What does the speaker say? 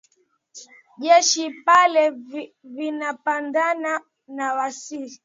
jeshi pale vinapambana na waasi